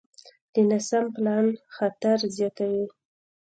د ناسم پلان خطر زیاتوي.